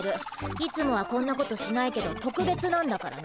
いつもはこんなことしないけどとくべつなんだからね。